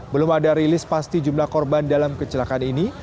belum ada rilis pasti jumlah korban dalam kecelakaan ini